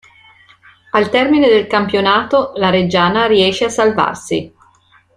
Al termine del campionato, la Reggiana riesce a salvarsi.